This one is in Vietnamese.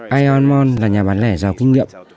aeon mall là nhà bán lẻ giàu kinh nghiệm